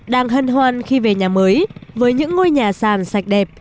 đang hân hoan khi về nhà mới với những ngôi nhà sàn sạch đẹp